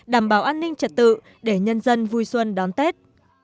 đảm bảo an ninh trật tự để nhân dân vui xuân đón tết